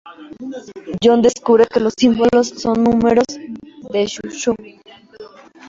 John descubre que los símbolos son números suzhou.